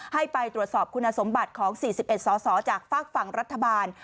ให้ไปตรวจสอบคุณสมบัติของ๔๑สอสอจากฝากฝั่งรัฐบาล